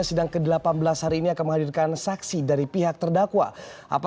sampai jumpa di sampai jumpa